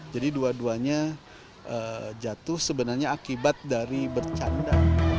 jadi dua duanya jatuh sebenarnya akibat dari bercanda